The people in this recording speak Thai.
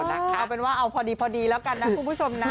เอาเป็นว่าเอาพอดีแล้วกันนะคุณผู้ชมนะ